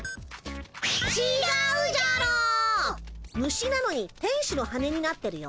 虫なのに天使の羽になってるよ。